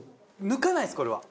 抜かないですこれは。